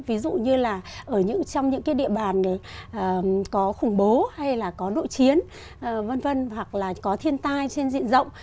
ví dụ như là trong những địa bàn có khủng bố hay là có đội chiến hoặc là có thiên tai trên diện rộng